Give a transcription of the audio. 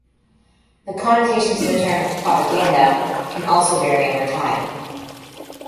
The connotations of the term "propaganda" can also vary over time.